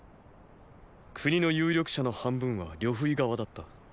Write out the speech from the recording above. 国の有力者の半分は呂不韋側だった。